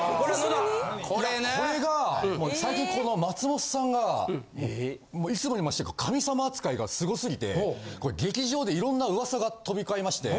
これが最近松本さんがいつもに増して神様扱いがすごすぎて劇場でいろんな噂が飛び交いまして。